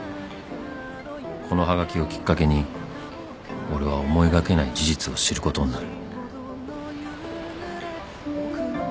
［このはがきをきっかけに俺は思いがけない事実を知ることになる］